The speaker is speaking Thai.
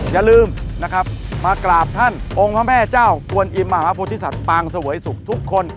อย่าลืมนะครับมากราบท่านองค์พระแม่เจ้ากวนอิมมหาโพธิสัตว์ปางเสวยสุขทุกคน